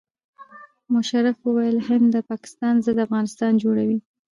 مشرف وویل هند د پاکستان ضد افغانستان جوړوي.